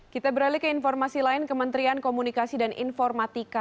kita beralih ke informasi lain kementerian komunikasi dan informatika